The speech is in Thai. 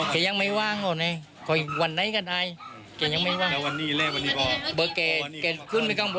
เดี๋ยวป้าจะให้ช้ำปากแล้วนะครับ